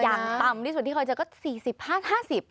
อย่างต่ำที่สุดที่คอยเจอก็๔๕๕๐บาท